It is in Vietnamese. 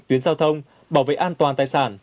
tuyến giao thông bảo vệ an toàn tài sản